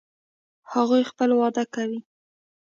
هغوی خپل واده کوي